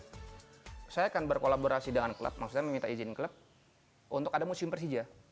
saya akan berkolaborasi dengan klub maksudnya meminta izin klub untuk ada museum persija